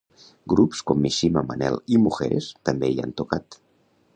Grups com Mishima, Manel i Mujeres també hi han tocat.